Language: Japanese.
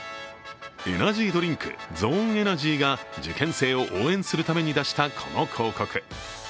エナジードリンク、ＺＯＮｅＥＮＥＲＧＹが受験生を応援するために出した、この広告。